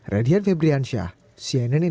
radian febriansyah cnn indonesia